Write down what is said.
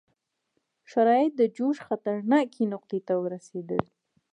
شرایط د جوش خطرناکې نقطې ته ورسېدل.